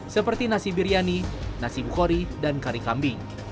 seperti nasi biryani nasi bukhori dan kari kambing